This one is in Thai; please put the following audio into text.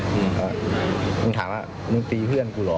แต่ถามว่านึงตีเพื่อนกูหรอ